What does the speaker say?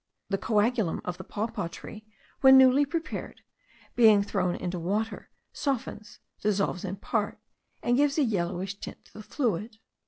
The coagulum of the papaw tree, when newly prepared, being thrown into water, softens, dissolves in part, and gives a yellowish tint to the fluid.